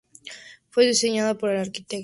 Fue diseñada por el arquitecto Pedro Benoit.